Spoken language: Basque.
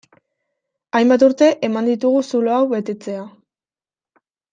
Hainbat urte eman ditugu zulo hau betetzea.